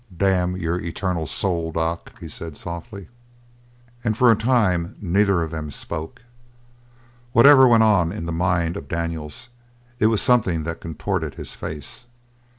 "Damn your eternal soul, doc!" he said softly. And for a time neither of them spoke. Whatever went on in the mind of Daniels, it was something that contorted his face.